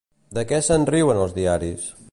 De què se'n riuen els diaris?